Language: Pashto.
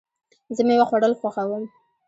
زه مېوه خوړل خوښوم.